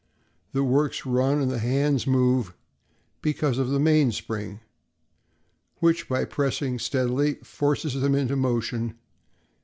The works run and the hands move because of the mainspring, which by pressing steadily forces them into motion.